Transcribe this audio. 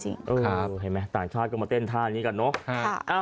เห็นไหมต่างชาติก็มาเต้นท่านี้กันเนอะ